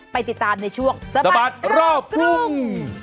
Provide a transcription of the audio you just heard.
ไปติดตามในช่วงสะบัดรอบกรุง